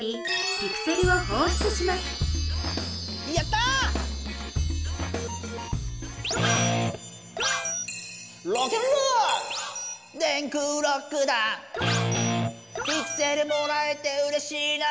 「ピクセルもらえてうれしいな」